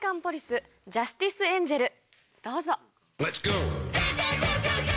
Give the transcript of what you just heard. どうぞ。